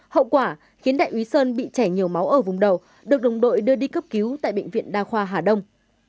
hậu quả khiến đại úy sơn bị chảy nhiều máu ở vùng đầu được đồng đội đưa đi cấp cứu tại bệnh viện đa khoa hà đông